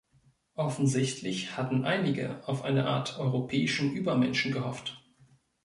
Offensichtlich hatten einige auf eine Art europäischen Übermenschen gehofft.